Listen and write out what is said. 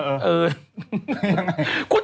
อะไรกัน